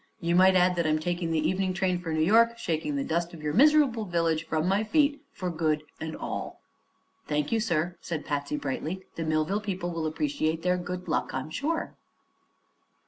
You might add that I'm taking the evening train for New York, shaking the dust of your miserable village from my feet for good and all." "Thank you, sir," said Patsy, brightly; "the Millville people will appreciate their good luck, I'm sure."